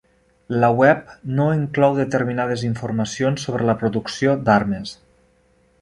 La web no inclou determinades informacions sobre la producció d'armes.